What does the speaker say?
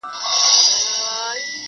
بل ځوان وايي موږ بايد له دې ځایه لاړ سو